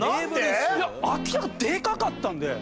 明らかにでかかったんで。